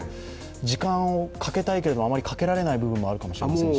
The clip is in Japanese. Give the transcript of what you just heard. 時間をかけたいけども、あまりかけられない部分もあるかもしれませんし。